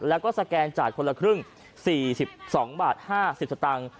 แล้วก็สแกนจ่ายคนละครึ่ง๔๒บาท๕๐สตางค์